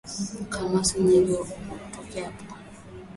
Kamasi nyingi kutokea puani